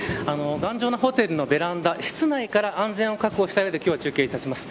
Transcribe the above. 頑丈なホテルのベランダ室内から安全を確保した上で中継します。